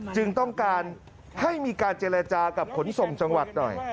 จึงต้องการให้มีการเจรจากับขนส่งจังหวัดหน่อย